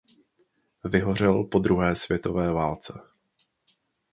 Vyhořel po druhé světové válce.